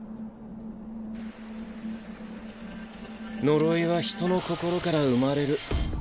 呪いは人の心から生まれる。